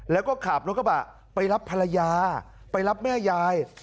แล้วก็ขับรถกระบะไปรับภรรยาไปรับแม่ยาย